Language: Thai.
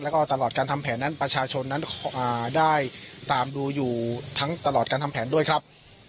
แล้วก็ตลอดการทำแผนนั้นประชาชนนั้นได้ตามดูอยู่ทั้งตลอดการทำแผนด้วยครับ